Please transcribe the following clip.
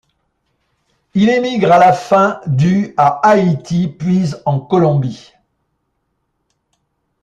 Il émigre à la fin du à Haïti puis en Colombie.